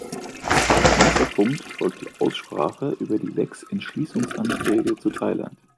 Als nächster Punkt folgt die Aussprache über die sechs Entschließungsanträge zu Thailand .